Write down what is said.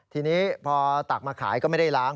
ทีนี้พอตักมาขายก็ไม่ได้ล้าง